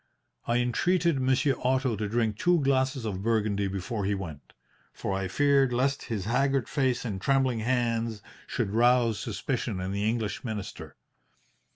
I entreated Monsieur Otto to drink two glasses of Burgundy before he went, for I feared lest his haggard face and trembling, hands should rouse suspicion in the English minister.